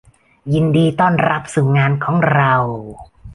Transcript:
ยินดีต้อนรับสู่งานของเรา